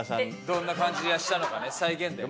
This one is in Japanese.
どんな感じでしたのかね再現で。